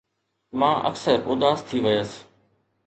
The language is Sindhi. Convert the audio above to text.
مان اڪثر اداس ٿي ويس